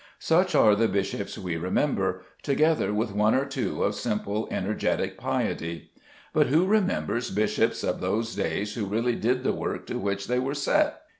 Such are the bishops we remember, together with one or two of simple energetic piety. But who remembers bishops of those days who really did the work to which they were set?